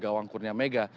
gawang kurnia mega